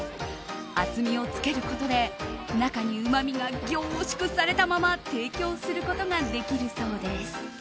厚みをつけることで中にうまみが凝縮されたまま提供することができるそうです。